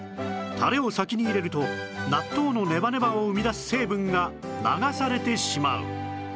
タレを先に入れると納豆のネバネバを生み出す成分が流されてしまう